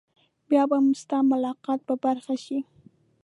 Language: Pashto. بیا به ستا ملاقات په برخه شي.